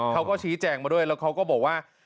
เขาก็ชี้แจงมาด้วยแล้วเขาก็บอกว่า